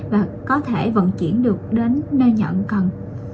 và có thể vận chuyển được đến nơi nhận cần